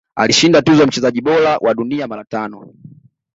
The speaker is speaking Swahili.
Alishinda tuzo ya mchezaji bora wa dunia mara tano